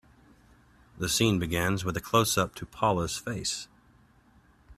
The scene begins with a closeup to Paula's face.